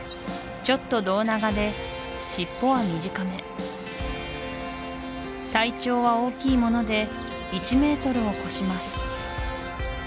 ちょっと胴長で尻尾は短め体長は大きいもので１ｍを超します